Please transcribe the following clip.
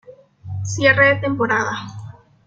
Cierre de temporada.